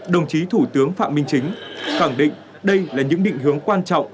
đồng chí thủ tướng phạm minh chính khẳng định đây là những định hướng quan trọng